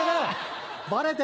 バレてる！